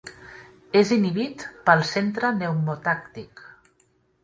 És inhibit pel centre pneumotàctic.